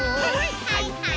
はいはい！